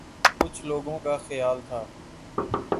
کچھ لوگوں کا خیال تھا